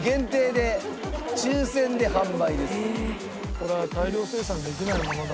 これは大量生産できないものだな。